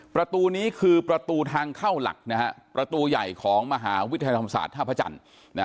ประตูนี้คือประตูทางเข้าหลักนะฮะประตูใหญ่ของมหาวิทยาลัยธรรมศาสตร์ท่าพระจันทร์